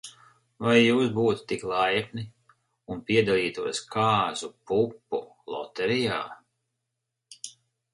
Vai jūs būtu tik laipni, un piedalītos kāzu pupu loterijā?